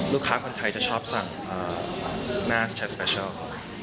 ลูกค้าคนไทยจะชอบสั่งหน้าชัดสเปชัล